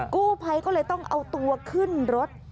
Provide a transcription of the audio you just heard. กู้ภัยก็เลยต้องเอาตัวขึ้นรถ